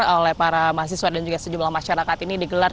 oleh para mahasiswa dan juga sejumlah masyarakat ini digelar